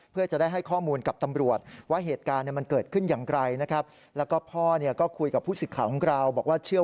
เพื่อจะได้ได้ให้ข้อมูลกับตำรวจว่าเหตุการณ์มันเกิดขึ้นอย่างไรนะครับ